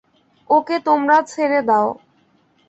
ওকে তোমরা ছেড়ে দাও।